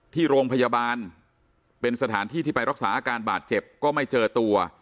ที่โรงพยาบาลเป็นสถานที่ที่ไปรักษาอาการบาดเจ็บก็ไม่เจอตัว